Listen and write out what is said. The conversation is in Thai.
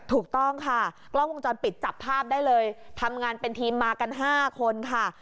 ถูกต้องค่ะกล้องวงจรปิดจับภาพได้เลยทำงานเป็นทีมมากัน๕คนค่ะ